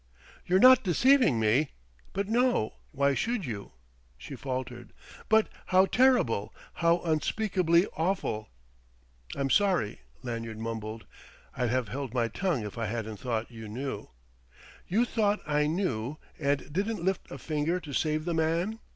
"You're not deceiving me? But no why should you?" she faltered. "But how terrible, how unspeakably awful! ..." "I'm sorry," Lanyard mumbled "I'd have held my tongue if I hadn't thought you knew " "You thought I knew and didn't lift a finger to save the man?"